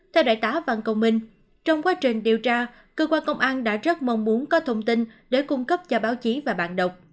theo đại tá văn công minh trong quá trình điều tra cơ quan công an đã rất mong muốn có thông tin để cung cấp cho báo chí và bạn đọc